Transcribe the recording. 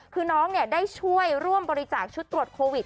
คือน้องได้ช่วยร่วมบริจาคชุดตรวจโควิด